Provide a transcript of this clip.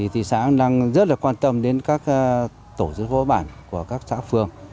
thị xã đang rất quan tâm đến các tổ chức vô bản của các xã phương